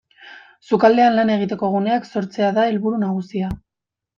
Sukaldean lan egiteko guneak sortzea da helburu nagusia.